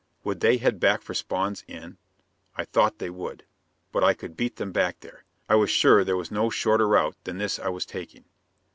Would they head back for Spawn's inn? I thought they would. But I could beat them back there; I was sure there was no shorter route than this I was taking.